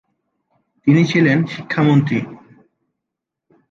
তিনি ছিলেন শিক্ষামন্ত্রী।